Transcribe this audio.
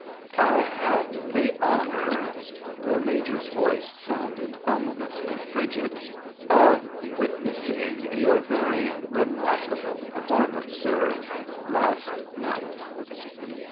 "I had the honor"—the Major's voice sounded ominously frigid—"of witnessing your very remarkable performance, sir, last night."